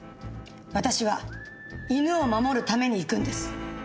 私は犬を守るために行くんです。